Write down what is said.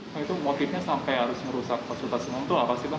nah itu motifnya sampai harus merusak fasilitas umum itu apa sih bang